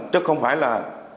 chứ không phải là